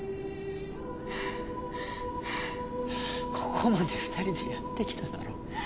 ここまで２人でやってきただろ。